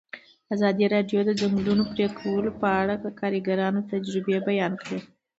ازادي راډیو د د ځنګلونو پرېکول په اړه د کارګرانو تجربې بیان کړي.